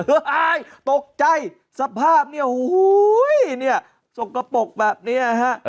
เฮ้ออายตกใจสภาพเนี่ยโห้ยเนี่ยสกปรกแบบเนี่ยฮะ